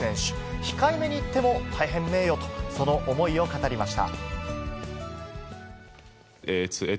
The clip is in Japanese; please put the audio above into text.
控えめに言っても大変名誉と、その思いを語りました。